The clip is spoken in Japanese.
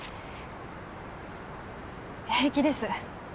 平気です